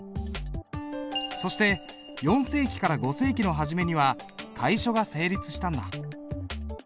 そして４世紀から５世紀の初めには楷書が成立したんだ。